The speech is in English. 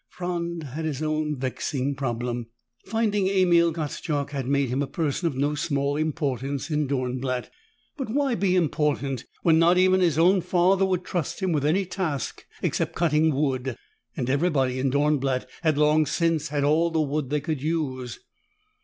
Franz had his own vexing problem. Finding Emil Gottschalk had made him a person of no small importance in Dornblatt. But why be important when not even his own father would trust him with any task except cutting wood, and everybody in Dornblatt had long since had all the wood they could use?